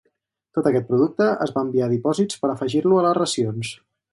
Tot aquest producte es va enviar a dipòsits per afegir-lo a les racions.